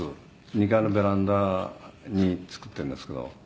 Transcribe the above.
「２階のべランダに作っているんですけど」